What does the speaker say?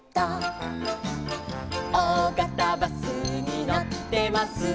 「おおがたバスに乗ってます」